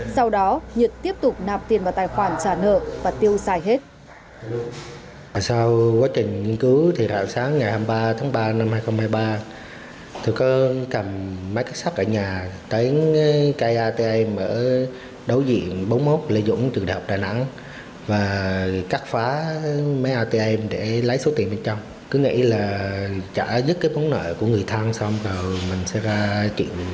sau đó nhật tiếp tục nạp tiền vào tài khoản trả nợ và tiêu xài hết